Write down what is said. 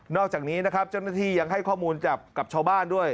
อกจากนี้นะครับเจ้าหน้าที่ยังให้ข้อมูลกับชาวบ้านด้วย